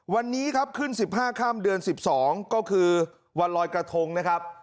วันนี้ครับขึ้น๑๕ค่ำเดือน๑๒ก็คือวันลอยกระทงนะครับ